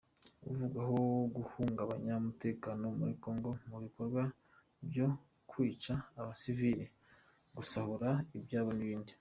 Uvugwaho guhungabanya umutekano muri Congo, mu bikorwa byo kwica abasivili, gusahura ibyabo n’ibindi.